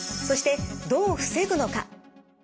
そしてどう防ぐのか。